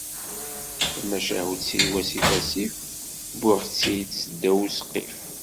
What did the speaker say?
Tamacahut-iw asif asif, wwiɣ-tt-id seddaw usqif.